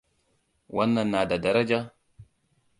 Wannan na da daraja?